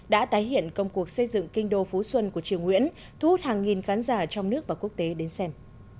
đã tái hiện công cuộc xây dựng kinh đô phú xuân của triều nguyễn thu hút hàng nghìn khán giả trong nước và quốc tế đến xem